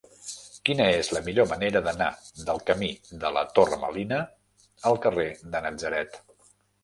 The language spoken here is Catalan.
Quina és la millor manera d'anar del camí de la Torre Melina al carrer de Natzaret?